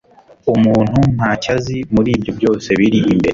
umuntu nta cyo azi muri ibyo byose biri imbere